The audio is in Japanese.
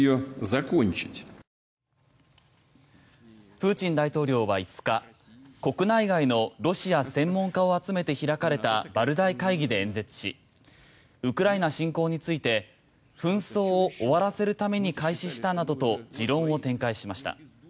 プーチン大統領は５日国内外のロシア専門家を集めて開かれたバルダイ会議で演説しウクライナ侵攻について紛争を終わらせるために開始したなどと持論を展開しました。